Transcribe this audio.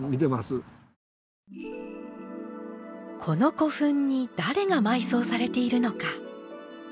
この古墳に誰が埋葬されているのか。